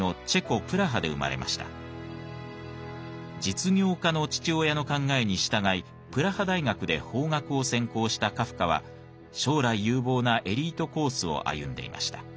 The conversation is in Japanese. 実業家の父親の考えに従いプラハ大学で法学を専攻したカフカは将来有望なエリートコースを歩んでいました。